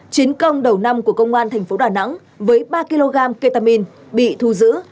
chiến công đầu năm của công an thành phố đà nẵng với ba kg ketamine bị thu giữ